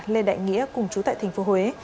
lê đại nghĩa cùng chú tại tp huế